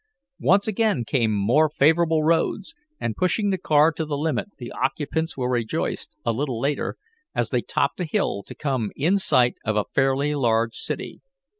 Once again came more favorable roads and pushing the car to the limit the occupants were rejoiced, a little later, as they topped a hill, to come in sight of a fairly large city.